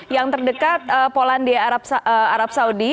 yang terdekat polandia arab saudi